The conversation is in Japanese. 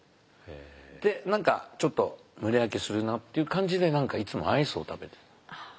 で何かちょっと胸焼けするなっていう感じで何かいつもアイスを食べて。